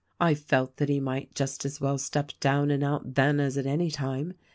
I felt that he might just as well step down and out then as at any time.